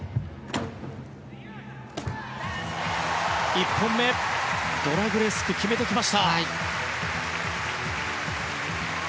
１本目ドラグレスクを決めてきました。